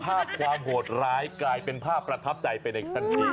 ภาพความโหดร้ายกลายเป็นภาพประทับใจไปในทันที